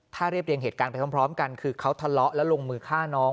ถ้าเรียบเรียงเหตุการณ์ไปพร้อมกันคือเขาทะเลาะและลงมือฆ่าน้อง